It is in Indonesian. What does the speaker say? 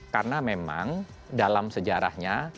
karena memang dalam sejarahnya